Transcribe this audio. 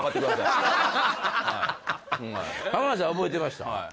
浜田さん覚えてました？